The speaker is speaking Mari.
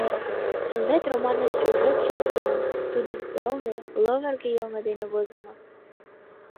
«Элнет» романын сюжетше виян, тудым сылне, лывырге йылме дене возымо.